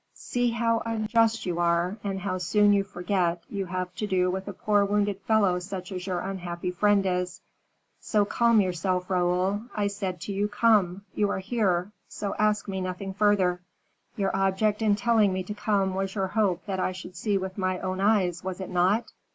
"See how unjust you are, and how soon you forget you have to do with a poor wounded fellow such as your unhappy friend is. So, calm yourself, Raoul. I said to you, 'Come' you are here, so ask me nothing further." "Your object in telling me to come was your hope that I should see with my own eyes, was it not?